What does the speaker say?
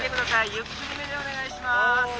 ゆっくりめでお願いします。